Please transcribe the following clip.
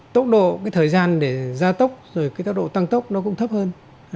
tốc độ cái thời gian để ra tốc rồi cái tốc độ tăng tốc nó cũng thấp hơn